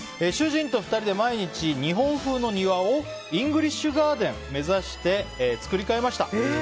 主人と２人で毎日日本風の庭をイングリッシュガーデン目指して造りかえました。